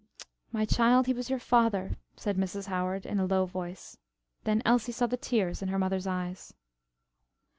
"My child, he was your father," said Mrs. Howard in a low voice. Then Elsie saw the tears in her mother's eyes.